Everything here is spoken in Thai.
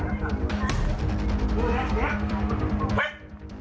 นักจิตเจ็บหรือนักจิตเจ็บหรือนักจิต